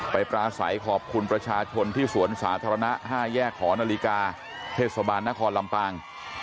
ปราศัยขอบคุณประชาชนที่สวนสาธารณะ๕แยกหอนาฬิกาเทศบาลนครลำปาง